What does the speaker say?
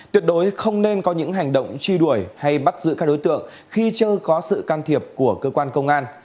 tuyệt đối không nên có những hành động truy đuổi hay bắt giữ các đối tượng khi chưa có sự can thiệp của cơ quan công an